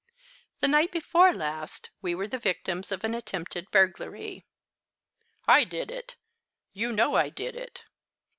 The night before last we were the victims of an attempted burglary " "I did it you know I did it.